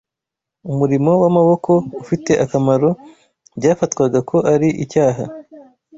umurimo w’amaboko ufite akamaro byafatwaga ko ari icyaha